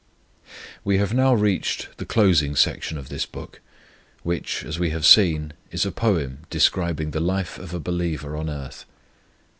5 14 WE have now reached the closing section of this book, which, as we have seen, is a poem describing the life of a believer on earth.